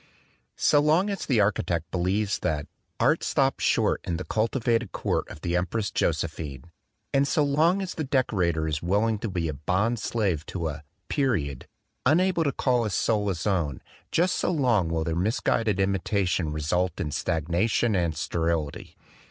So long as the architect believes that "art stopped short in the cultivated court of the Em press Josephine," and so long as the decorator is willing to be a bond slave to a "period," unable to call his soul his own, just so long will their misguided imitation result in stagnation and sterility.